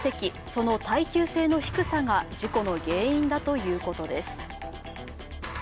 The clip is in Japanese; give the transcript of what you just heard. その耐久性の低さが事故の原因だということです。